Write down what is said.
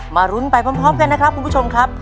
รุ้นไปพร้อมกันนะครับคุณผู้ชมครับ